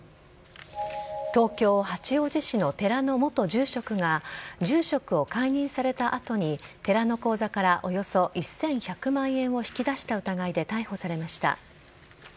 東京・八王子市の寺の元住職が住職を解任された後に寺の口座からおよそ１１００万円を引き出した疑いで逮捕されました。